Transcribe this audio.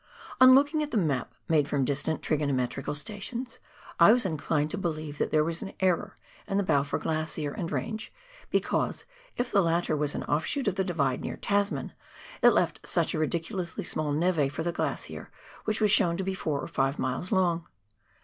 On looking at the map, made from distant trigonometrical stations, I was inclined to believe that there was an error in the Balfour Glacier and Range, because, if the latter was an offshoot of the Divide near Tasman, it left such a ridiculously small neve for the glacier, which was shown to be four or five miles long.